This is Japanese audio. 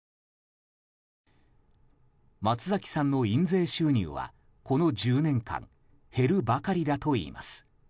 松崎さんの印税収入はこの１０年間減るばかりだといいます。